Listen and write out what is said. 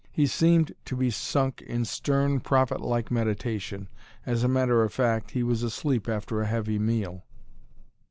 He seemed to be sunk in stern, prophet like meditation. As a matter of fact, he was asleep after a heavy meal.